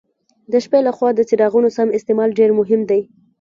د شپې له خوا د څراغونو سم استعمال ډېر مهم دی.